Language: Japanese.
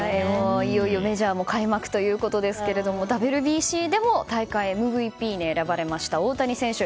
いよいよ、メジャーも開幕ということですがＷＢＣでも大会ＭＶＰに選ばれました大谷選手